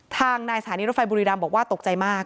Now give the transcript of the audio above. ทางนายสถานีรถไฟบุรีรำบอกว่าตกใจมาก